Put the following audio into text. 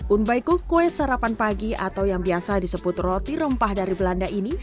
un baikuk kue sarapan pagi atau yang biasa disebut roti rempah dari belanda ini